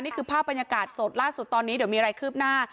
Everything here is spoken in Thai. นี่คือภาพบรรยากาศสดล่าสุดตอนนี้เดี๋ยวมีอะไรคืบหน้า